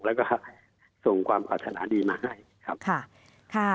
และก็ส่งความวาสนาดีมาให้